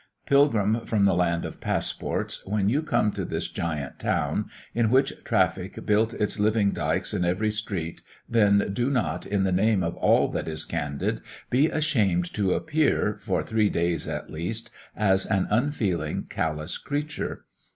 Pilgrim from the land of passports, when you come to this giant town, in which traffic built its living dykes in every street then do not, in the name of all that is candid, be ashamed to appear, for three days at least, as an unfeeling callous creature.